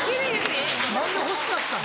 何で欲しかった？